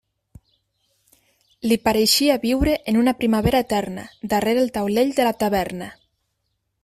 Li pareixia viure en una primavera eterna darrere el taulell de la taverna.